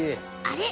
あれ？